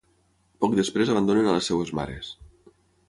Poc després abandonen a les seves mares.